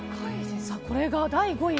これが第５位。